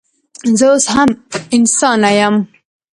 زه اوس هم انسانه یم